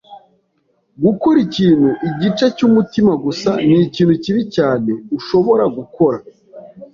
Gukora ikintu igice cyumutima gusa nikintu kibi cyane ushobora gukora.